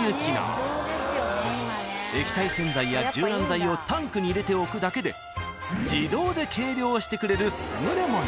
［液体洗剤や柔軟剤をタンクに入れておくだけで自動で計量してくれる優れもの］